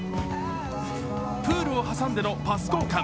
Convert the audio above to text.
プールを挟んでのパス交換。